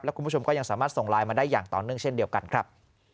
คุณผู้ชมก็ยังสามารถส่งไลน์มาได้อย่างต่อเนื่องเช่นเดียวกันครับ